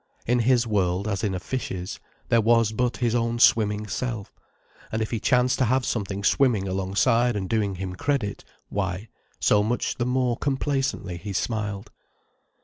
In his world, as in a fish's, there was but his own swimming self: and if he chanced to have something swimming alongside and doing him credit, why, so much the more complacently he smiled.